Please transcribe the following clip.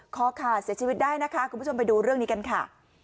คอขาดเสียชีวิตได้นะคะคุณผู้ชมไปดูเรื่องนี้กันค่ะ